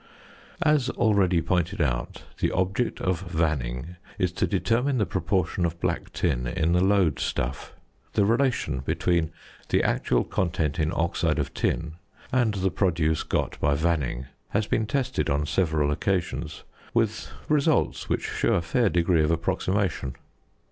As already pointed out, the object of vanning is to determine the proportion of black tin in the lode stuff. The relation between the actual content in oxide of tin and the produce got by vanning has been tested on several occasions with results which show a fair degree of approximation.